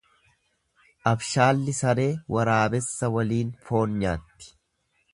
Abshaalli saree waraabessa waliin foon nyaatti.